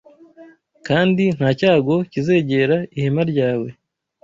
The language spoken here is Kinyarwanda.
Kandi nta cyago kizegera ihema ryawe